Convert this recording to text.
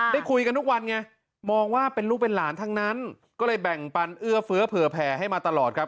ได้คุยกันทุกวันไงด้วยเนี่ยมองว่าเป็นลูกเป็นหลานทั้งนั้นก็เลยแบ่งปัญญาเผื้อแผงให้มาตลอดครับ